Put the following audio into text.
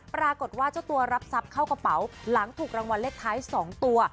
ปรากฏว่าเจ้าตัวรับทรัพย์เข้ากระเป๋าหลังถูกรางวัลเลขท้าย๒ตัว